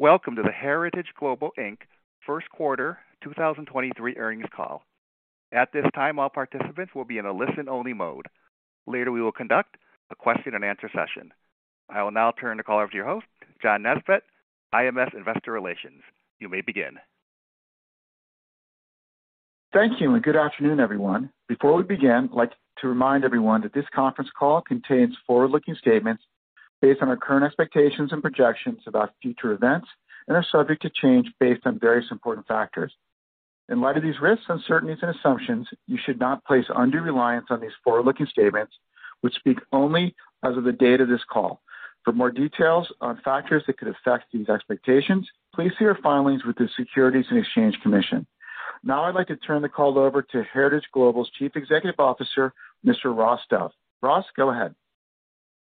Welcome to the Heritage Global Inc. first quarter 2023 earnings call. At this time, all participants will be in a listen-only mode. Later, we will conduct a question and answer session. I will now turn the call over to your host, John Nesbitt, IMS Investor Relations. You may begin. Thank you, good afternoon, everyone. Before we begin, I'd like to remind everyone that this conference call contains forward-looking statements based on our current expectations and projections about future events and are subject to change based on various important factors. In light of these risks, uncertainties, and assumptions, you should not place undue reliance on these forward-looking statements, which speak only as of the date of this call. For more details on factors that could affect these expectations, please see our filings with the Securities and Exchange Commission. I'd like to turn the call over to Heritage Global's Chief Executive Officer, Mr. Ross Dove. Ross, go ahead.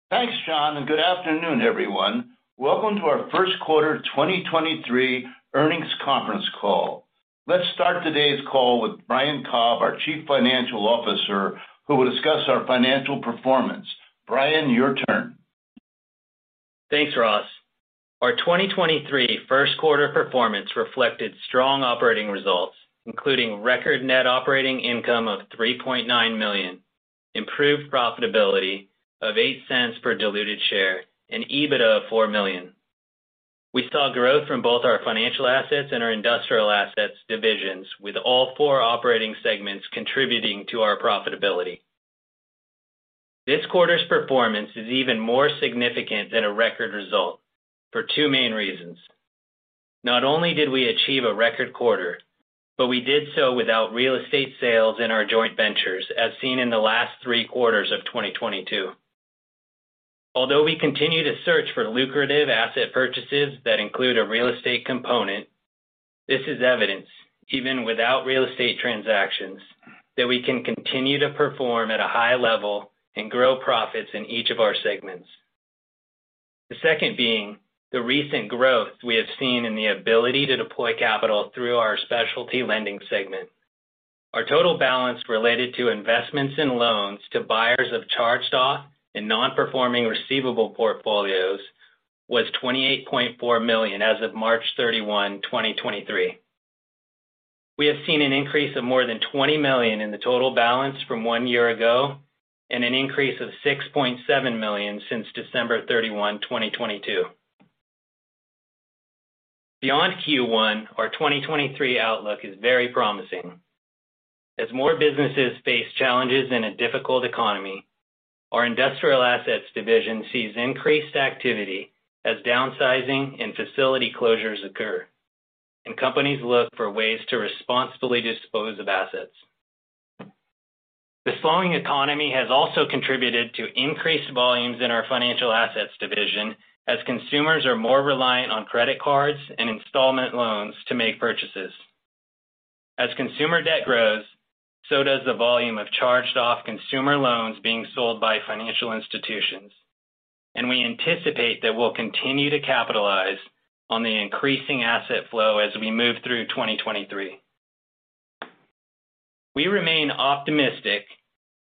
Thanks, John, and good afternoon, everyone. Welcome to our first quarter 2023 earnings conference call. Let's start today's call with Brian Cobb, our Chief Financial Officer, who will discuss our financial performance. Brian, your turn. Thanks, Ross. Our 2023 first quarter performance reflected strong operating results, including record Net Operating Income of $3.9 million, improved profitability of $0.08 per diluted share, and EBITDA of $4 million. We saw growth from both our financial assets and our industrial assets divisions, with all four operating segments contributing to our profitability. This quarter's performance is even more significant than a record result for two main reasons. Not only did we achieve a record quarter, but we did so without real estate sales in our joint ventures as seen in the last three quarters of 2022. Although we continue to search for lucrative asset purchases that include a real estate component, this is evidence, even without real estate transactions, that we can continue to perform at a high level and grow profits in each of our segments. The second being the recent growth we have seen in the ability to deploy capital through our specialty lending segment. Our total balance related to investments in loans to buyers of charged-off and non-performing receivable portfolios was $28.4 million as of March 31, 2023. We have seen an increase of more than $20 million in the total balance from one year ago and an increase of $6.7 million since December 31, 2022. Beyond Q1, our 2023 outlook is very promising. As more businesses face challenges in a difficult economy, our industrial assets division sees increased activity as downsizing and facility closures occur, and companies look for ways to responsibly dispose of assets. The slowing economy has also contributed to increased volumes in our financial assets division as consumers are more reliant on credit cards and installment loans to make purchases. As consumer debt grows, so does the volume of charged off consumer loans being sold by financial institutions, and we anticipate that we'll continue to capitalize on the increasing asset flow as we move through 2023. We remain optimistic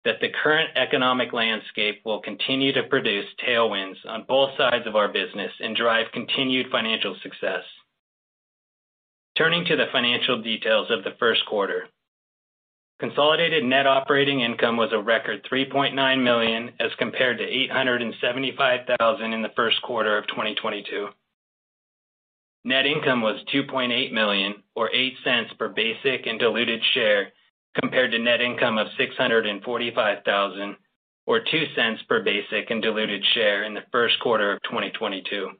that the current economic landscape will continue to produce tailwinds on both sides of our business and drive continued financial success. Turning to the financial details of the first quarter. Consolidated Net Operating Income was a record $3.9 million as compared to $875,000 in the first quarter of 2022. Net income was $2.8 million or $0.08 per basic and diluted share compared to net income of $645,000 or $0.02 per basic and diluted share in the first quarter of 2022.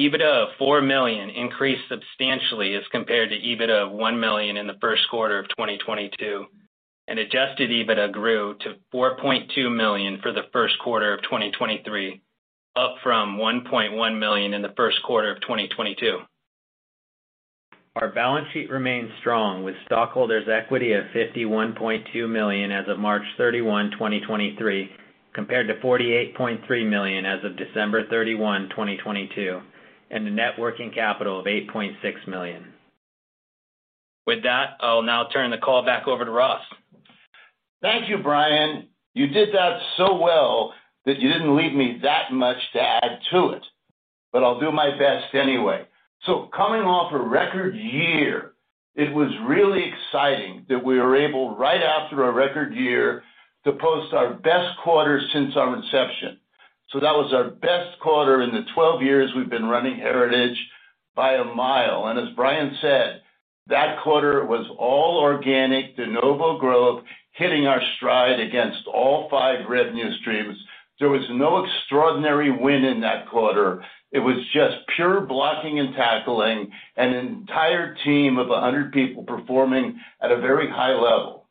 EBITDA of $4 million increased substantially as compared to EBITDA of $1 million in the first quarter of 2022. Adjusted EBITDA grew to $4.2 million for the first quarter of 2023, up from $1.1 million in the first quarter of 2022. Our balance sheet remains strong with stockholders' equity of $51.2 million as of March 31, 2023, compared to $48.3 million as of December 31, 2022, and a net working capital of $8.6 million. With that, I'll now turn the call back over to Ross. Thank you, Brian. You did that so well that you didn't leave me that much to add to it, but I'll do my best anyway. Coming off a record year, it was really exciting that we were able, right after a record year, to post our best quarter since our inception. That was our best quarter in the 12 years we've been running Heritage Global by a mile. As Brian said, that quarter was all organic de novo growth, hitting our stride against all five revenue streams. There was no extraordinary win in that quarter. It was just pure blocking and tackling, and an entire team of 100 people performing at a very high level.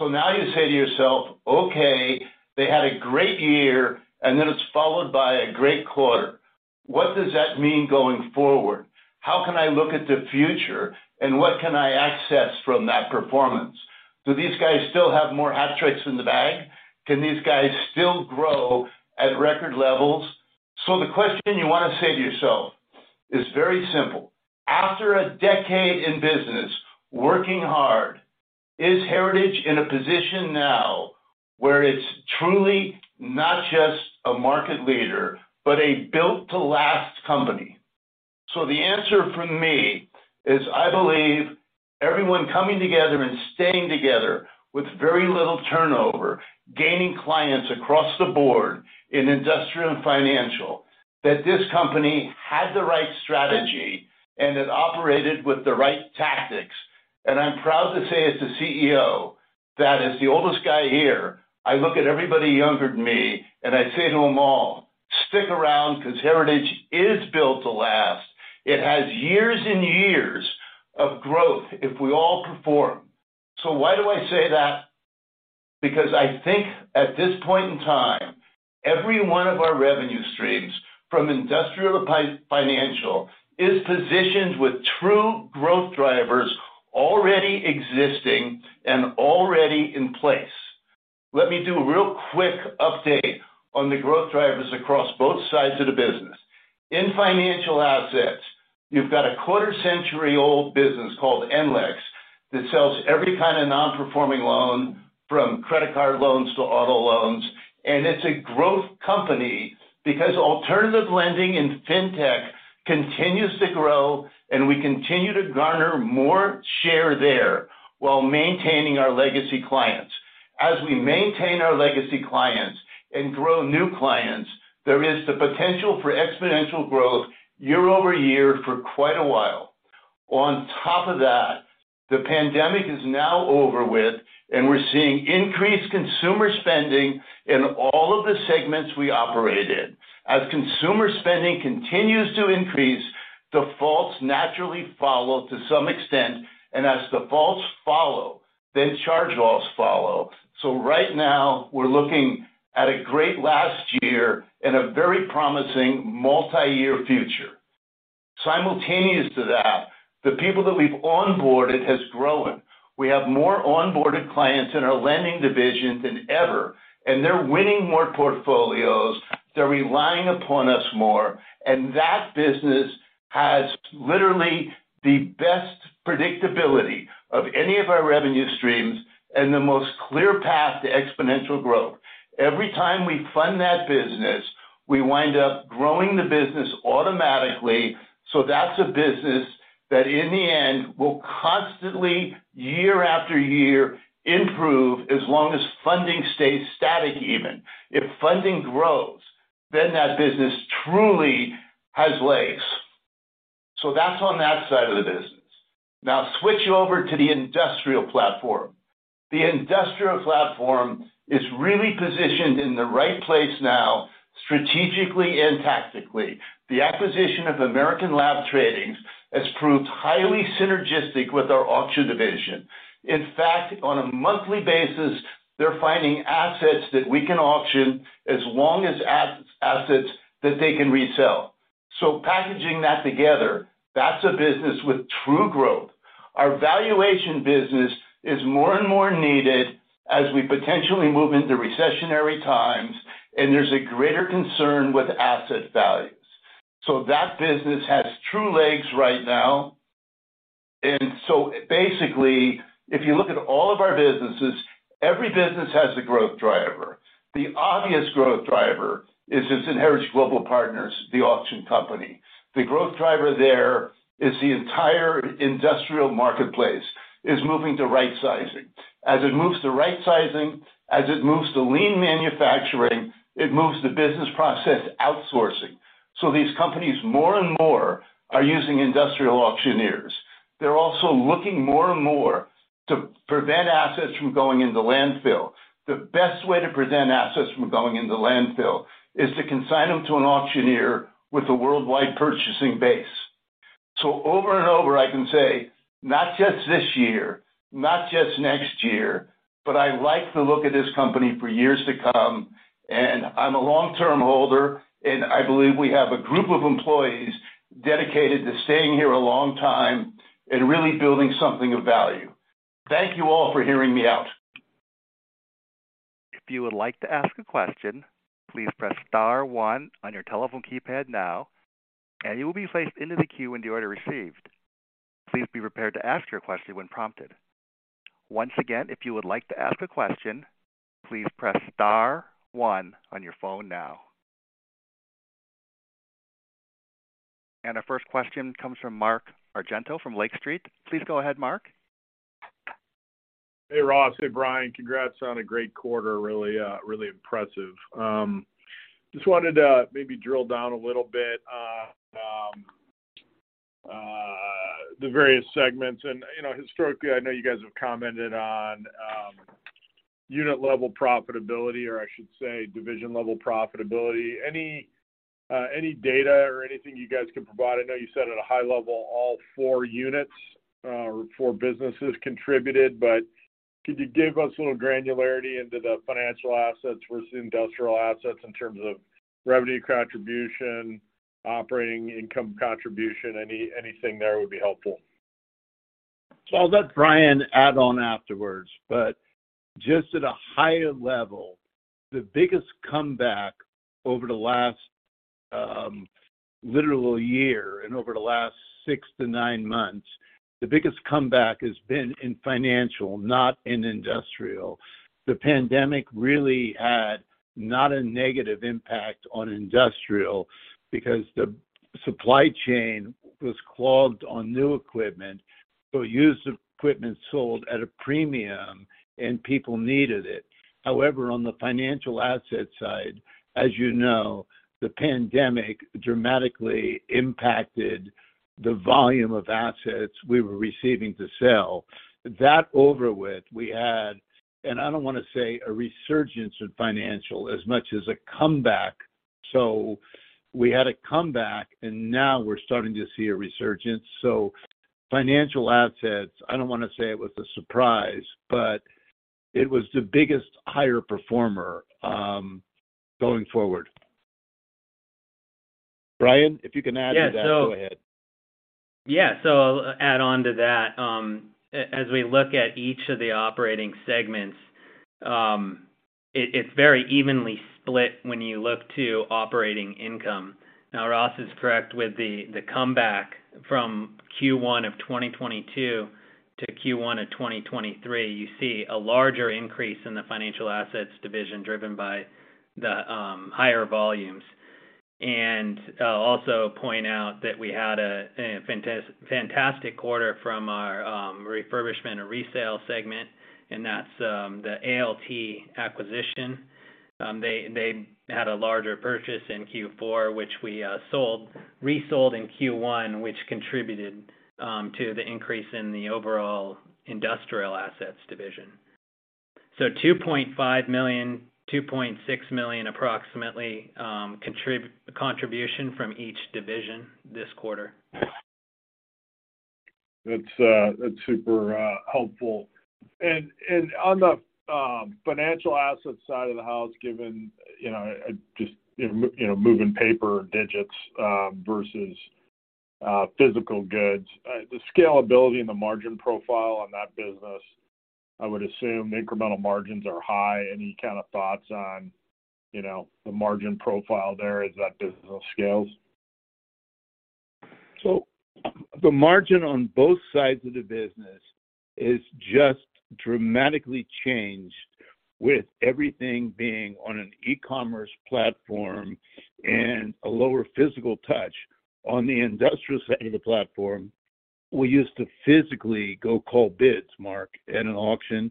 Now you say to yourself, "Okay, they had a great year, and then it's followed by a great quarter. What does that mean going forward? How can I look at the future and what can I access from that performance? Do these guys still have more hat tricks in the bag? Can these guys still grow at record levels? The question you want to say to yourself is very simple. After a decade in business, working hard, is Heritage Global in a position now where it's truly not just a market leader but a built to last company? The answer from me is I believe everyone coming together and staying together with very little turnover, gaining clients across the board in industrial and financial, that this company had the right strategy and it operated with the right tactics. I'm proud to say as the CEO, that as the oldest guy here, I look at everybody younger than me, and I say to them all, "Stick around because Heritage Global is built to last. It has years and years of growth if we all perform. Why do I say that? Because I think at this point in time, every one of our revenue streams from industrial to financial is positioned with true growth drivers already existing and already in place. Let me do a real quick update on the growth drivers across both sides of the business. In financial assets, you've got a quarter-century-old business called NLEX that sells every kind of non-performing loan from credit card loans to auto loans. It's a growth company because alternative lending in fintech continues to grow, and we continue to garner more share there while maintaining our legacy clients. As we maintain our legacy clients and grow new clients, there is the potential for exponential growth year-over-year for quite a while. On top of that, the pandemic is now over with, and we're seeing increased consumer spending in all of the segments we operate in. As consumer spending continues to increase, defaults naturally follow to some extent, and as defaults follow, then charge-offs follow. Right now, we're looking at a great last year and a very promising multi-year future. Simultaneous to that, the people that we've onboarded has grown. We have more onboarded clients in our lending division than ever, and they're winning more portfolios. They're relying upon us more. That business has literally the best predictability of any of our revenue streams and the most clear path to exponential growth. Every time we fund that business, we wind up growing the business automatically. That's a business that in the end will constantly, year after year, improve as long as funding stays static even. If funding grows, then that business truly has legs. That's on that side of the business. Now switch over to the industrial platform. The industrial platform is really positioned in the right place now, strategically and tactically. The acquisition of American Laboratory Trading has proved highly synergistic with our auction division. In fact, on a monthly basis, they're finding assets that we can auction as long as as-assets that they can resell. Packaging that together, that's a business with true growth. Our valuation business is more and more needed as we potentially move into recessionary times, and there's a greater concern with asset values. That business has true legs right now. Basically, if you look at all of our businesses, every business has a growth driver. The obvious growth driver is this in Heritage Global Partners, the auction company. The growth driver there is the entire industrial marketplace is moving to right sizing. As it moves to right sizing, as it moves to lean manufacturing, it moves to business process outsourcing. These companies more and more are using industrial auctioneers. They're also looking more and more to prevent assets from going in the landfill. The best way to prevent assets from going in the landfill is to consign them to an auctioneer with a worldwide purchasing base. Over and over, I can say, not just this year, not just next year, but I like to look at this company for years to come. I'm a long-term holder, and I believe we have a group of employees dedicated to staying here a long time and really building something of value. Thank you all for hearing me out. If you would like to ask a question, please press star one on your telephone keypad now, and you will be placed into the queue in the order received. Please be prepared to ask your question when prompted. Once again, if you would like to ask a question, please press star one on your phone now. Our first question comes from Mark Argento from Lake Street. Please go ahead, Mark. Hey, Ross. Hey, Brian. Congrats on a great quarter. Really, really impressive. Just wanted to maybe drill down a little bit on the various segments. You know, historically, I know you guys have commented on unit-level profitability, or I should say division-level profitability. Any data or anything you guys can provide? I know you said at a high level, all four units or four businesses contributed, but could you give us a little granularity into the financial assets versus industrial assets in terms of revenue contribution, operating income contribution? Anything there would be helpful. I'll let Brian add on afterwards, but just at a high level, the biggest comeback over the last literal year and over the last six to nine months, the biggest comeback has been in financial, not in industrial. The pandemic really had not a negative impact on industrial because the supply chain was clogged on new equipment, so used equipment sold at a premium and people needed it. However, on the financial asset side, as you know, the pandemic dramatically impacted the volume of assets we were receiving to sell. That over with, we had, and I don't wanna say a resurgence in financial as much as a comeback. We had a comeback, and now we're starting to see a resurgence. Financial assets, I don't wanna say it was a surprise, but it was the biggest higher performer going forward. Brian, if you can add to that, go ahead. Yeah. So I'll add on to that. As we look at each of the operating segments, it's very evenly split when you look to operating income. Now, Ross is correct with the comeback from Q1 of 2022 to Q1 of 2023. You see a larger increase in the financial assets division driven by the higher volumes. I'll also point out that we had a fantastic quarter from our refurbishment and resale segment, and that's the ALT acquisition. They, they had a larger purchase in Q4, which we sold, resold in Q1, which contributed to the increase in the overall industrial assets division. $2.5 million, $2.6 million approximately, contribution from each division this quarter. That's super helpful. On the financial asset side of the house, given, you know, just, you know, moving paper digits, versus physical goods, the scalability and the margin profile on that business, I would assume the incremental margins are high. Any kind of thoughts on, you know, the margin profile there as that business scales? The margin on both sides of the business is just dramatically changed with everything being on an e-commerce platform and a lower physical touch. On the industrial side of the platform, we used to physically go call bids, Mark, at an auction,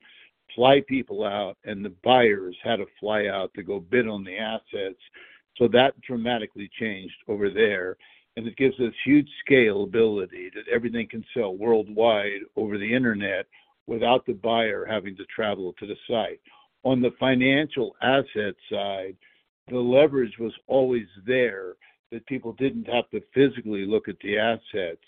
fly people out, and the buyers had to fly out to go bid on the assets. That dramatically changed over there, and it gives us huge scalability that everything can sell worldwide over the Internet without the buyer having to travel to the site. On the financial asset side, the leverage was always there that people didn't have to physically look at the assets.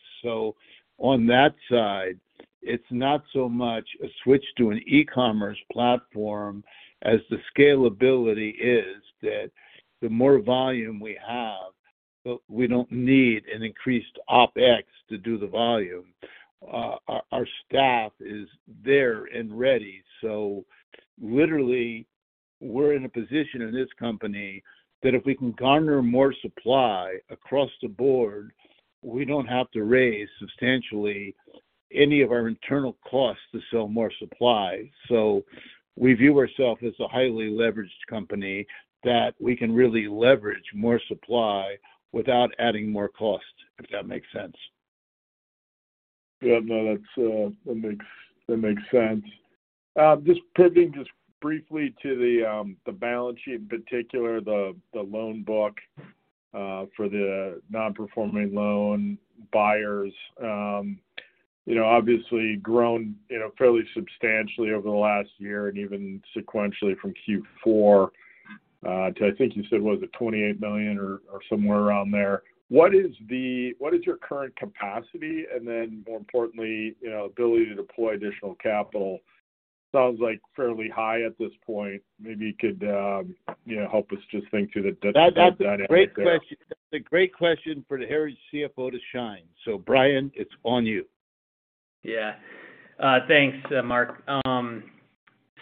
On that side, it's not so much a switch to an e-commerce platform as the scalability is that the more volume we have, but we don't need an increased OpEx to do the volume. Our staff is there and ready. Literally, we're in a position in this company that if we can garner more supply across the board, we don't have to raise substantially any of our internal costs to sell more supply. We view ourself as a highly leveraged company that we can really leverage more supply without adding more cost, if that makes sense. No, that's... That makes sense. Just pivoting just briefly to the balance sheet, in particular the loan book, for the non-performing loan buyers, you know, obviously grown, you know, fairly substantially over the last year and even sequentially from Q4 to I think you said, was it $28 million or somewhere around there. What is your current capacity, and then more importantly, you know, ability to deploy additional capital? Sounds like fairly high at this point. Maybe you could, you know, help us just think through the dynamic there. That's a great question. That's a great question for the Heritage CFO to shine. Brian, it's on you. Yeah. Thanks, Mark.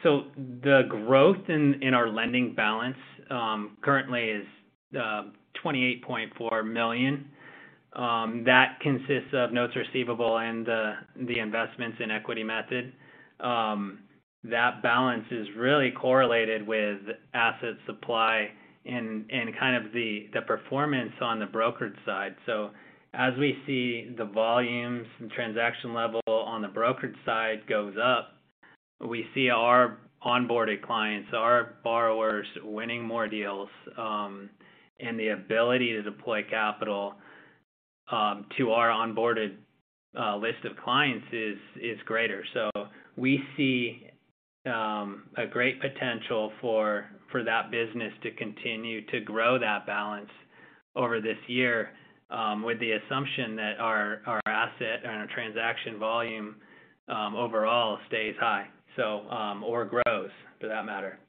The growth in our lending balance currently is $28.4 million. That consists of notes receivable and the investments in equity method. That balance is really correlated with asset supply and kind of the performance on the brokered side. As we see the volumes and transaction level on the brokered side goes up, we see our onboarded clients, our borrowers winning more deals, and the ability to deploy capital to our onboarded list of clients is greater. We see a great potential for that business to continue to grow that balance over this year, with the assumption that our asset and our transaction volume overall stays high or grows for that matter.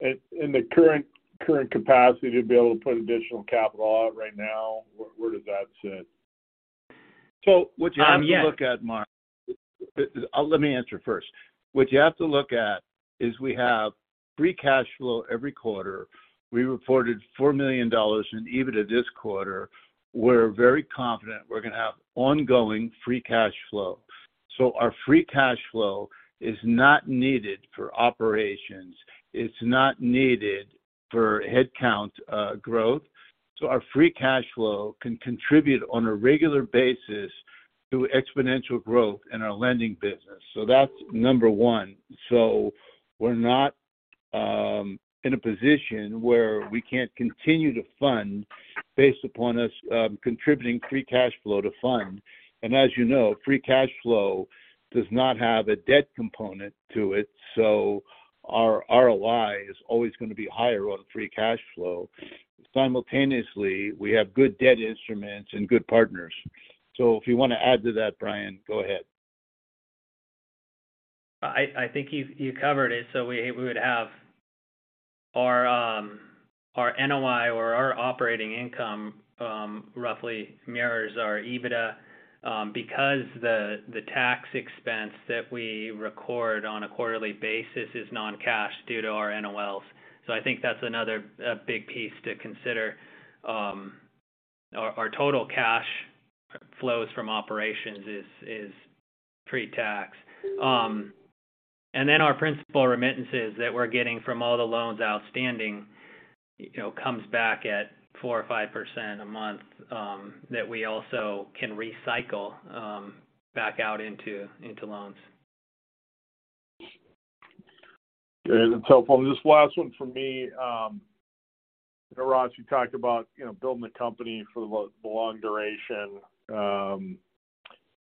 In the current capacity to be able to put additional capital out right now, where does that sit? what you have- Not yet. to look at, Mark. Let me answer first. What you have to look at is we have free cash flow every quarter. We reported $4 million in EBITDA this quarter. We're very confident we're gonna have ongoing free cash flow. Our free cash flow is not needed for operations, it's not needed for headcount growth. Our free cash flow can contribute on a regular basis to exponential growth in our lending business. That's number one. We're not in a position where we can't continue to fund based upon us contributing free cash flow to fund. As you know, free cash flow does not have a debt component to it, so our ROI is always gonna be higher on free cash flow. Simultaneously, we have good debt instruments and good partners. If you wanna add to that, Brian, go ahead. I think you covered it. We would have our NOI or our operating income roughly mirrors our EBITDA because the tax expense that we record on a quarterly basis is non-cash due to our NOLs. I think that's another big piece to consider. Our total cash flows from operations is pre-tax. Our principal remittances that we're getting from all the loans outstanding, you know, comes back at 4% or 5% a month that we also can recycle back out into loans. Okay. That's helpful. Just last one from me. Ross, you talked about, you know, building the company for the long duration.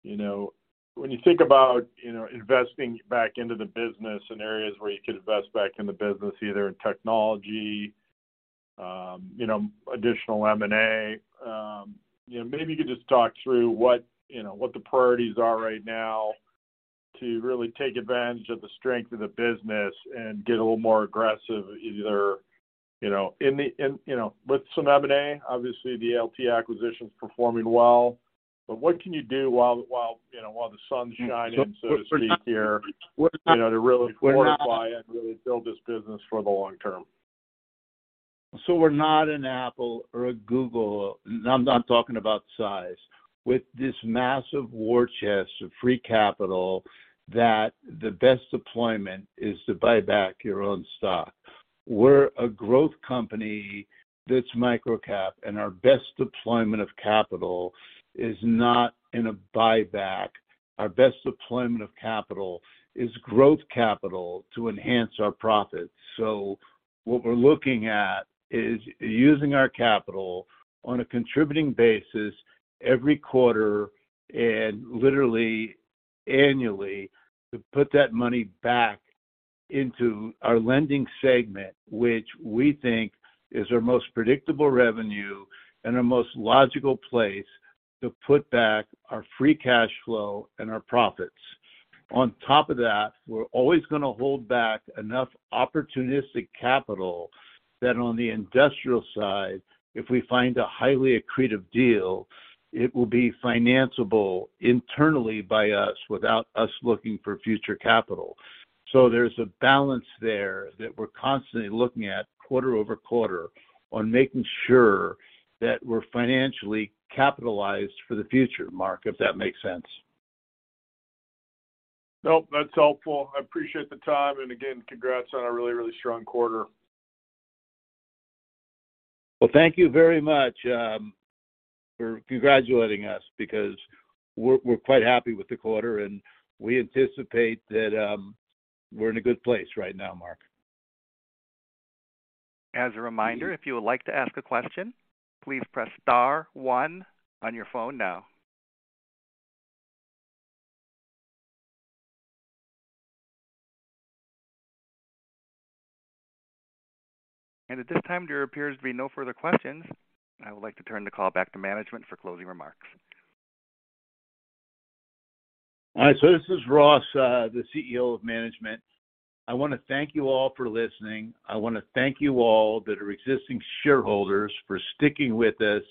you know, when you think about, you know, investing back into the business in areas where you could invest back in the business, either in technology, you know, additional M&A, you know, maybe you could just talk through what, you know, what the priorities are right now to really take advantage of the strength of the business and get a little more aggressive, either, you know, in, you know. With some M&A, obviously the ALT acquisition's performing well, but what can you do while, you know, while the sun's shining. We're not- so to speak here We're not- you know, to really fortify. We're not- Really build this business for the long term. We're not an Apple or a Google. I'm not talking about size. With this massive war chest of free capital that the best deployment is to buy back your own stock. We're a growth company that's micro-cap, and our best deployment of capital is not in a buyback. Our best deployment of capital is growth capital to enhance our profits. What we're looking at is using our capital on a contributing basis every quarter and literally annually to put that money back into our lending segment, which we think is our most predictable revenue and our most logical place to put back our free cash flow and our profits. On top of that, we're always gonna hold back enough opportunistic capital that on the industrial side, if we find a highly accretive deal, it will be financeable internally by us without us looking for future capital. There's a balance there that we're constantly looking at quarter-over-quarter on making sure that we're financially capitalized for the future, Mark, if that makes sense. Nope, that's helpful. I appreciate the time. Again, congrats on a really strong quarter. Well, thank you very much, for congratulating us because we're quite happy with the quarter and we anticipate that, we're in a good place right now, Mark. As a reminder, if you would like to ask a question, please press star one on your phone now. At this time, there appears to be no further questions. I would like to turn the call back to management for closing remarks. All right, this is Ross, the CEO of management. I wanna thank you all for listening. I wanna thank you all that are existing shareholders for sticking with us.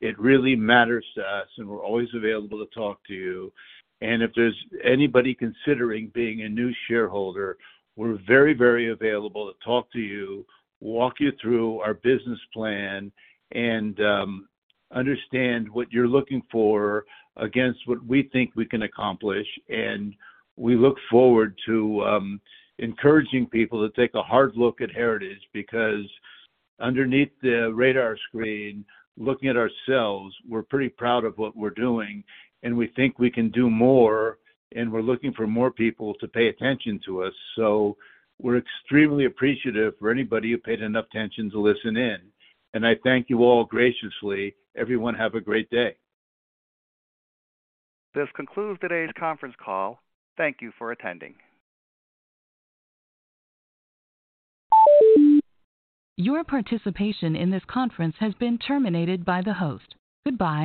It really matters to us. We're always available to talk to you. If there's anybody considering being a new shareholder, we're very, very available to talk to you, walk you through our business plan and understand what you're looking for against what we think we can accomplish. We look forward to encouraging people to take a hard look at Heritage Global because underneath the radar screen, looking at ourselves, we're pretty proud of what we're doing, and we think we can do more, and we're looking for more people to pay attention to us. We're extremely appreciative for anybody who paid enough attention to listen in. I thank you all graciously. Everyone, have a great day. This concludes today's conference call. Thank you for attending. Your participation in this conference has been terminated by the host. Goodbye.